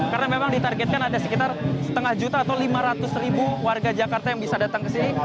karena memang ditargetkan ada sekitar setengah juta atau lima ratus ribu warga jakarta yang bisa datang ke sini